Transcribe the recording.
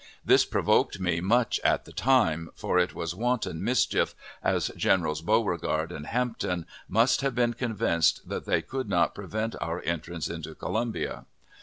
This provoked me much at the time, for it was wanton mischief, as Generals Beauregard and Hampton must have been convinced that they could not prevent our entrance into Columbia.